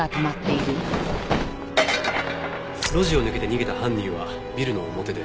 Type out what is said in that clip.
路地を抜けて逃げた犯人はビルの表で。